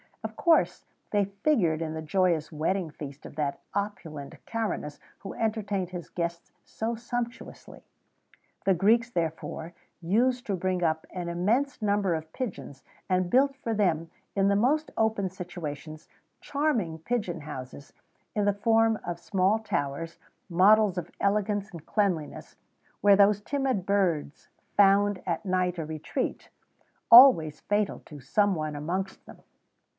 [XVII 90] Of course they figured in the joyous wedding feast of that opulent Caranus who entertained his guests so sumptuously.[XVII 91] The Greeks, therefore, used to bring up an immense number of pigeons, and built for them, in the most open situations, charming pigeon houses, in the form of small towers, models of elegance and cleanliness, where those timid birds found at night a retreat, always fatal to some one amongst them.